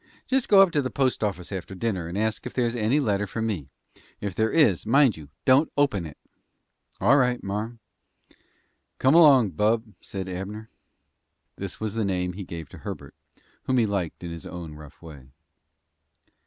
Jest go up to the postoffice after dinner, and ask if there's any letter for me. Ef there is, mind you, don't open it." "All right, marm." "Come along, bub," said Abner. This was the name he gave to Herbert, whom he liked in his own rough way.